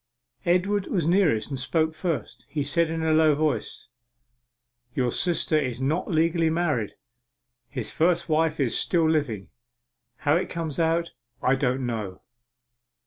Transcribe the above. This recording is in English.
Edward was nearest, and spoke first. He said in a low voice: 'Your sister is not legally married! His first wife is still living! How it comes out I don't know!